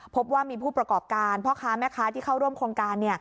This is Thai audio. พบว่ามีผู้ประกอบการพ่อค้าแม่ค้าที่เข้าร่วมโครงการ